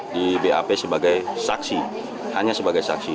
di bap sebagai saksi hanya sebagai saksi